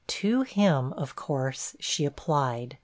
To him, of course, she applied.